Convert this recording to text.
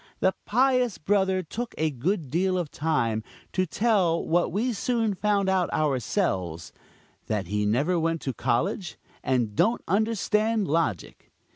The pious brother took a good deal of time to tell what we soon found out ourselves that he never went to college and don't understand logic.